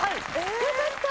よかった！